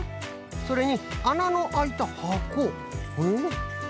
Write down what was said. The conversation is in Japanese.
それにあなのあいたはこえっ？